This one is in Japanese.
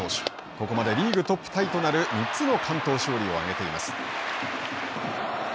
ここまでリーグトップタイとなる３つの完投勝利を挙げています。